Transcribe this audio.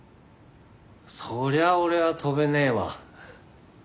そりゃ俺は跳べねえわ。